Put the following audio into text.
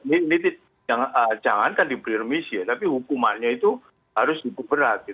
ini jangan diperlir misi tapi hukumannya itu harus dihukum berat